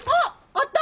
あった！